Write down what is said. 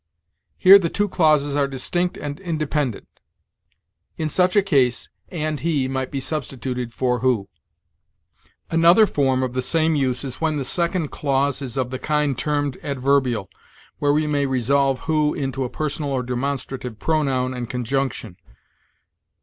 Here the two clauses are distinct and independent; in such a case, and he might be substituted for who. "Another form of the same use is when the second clause is of the kind termed adverbial, where we may resolve who into a personal or demonstrative pronoun and conjunction.